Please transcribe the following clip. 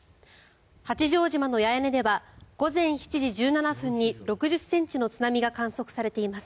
八丈島の八重根では午前７時１７分に６０ｃｍの津波が観測されています。